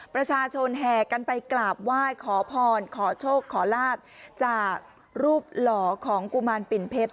ประชาชนแห่กันไปกราบไหว้ขอพรขอโชคขอลาบจากรูปหล่อของกุมารปิ่นเพชร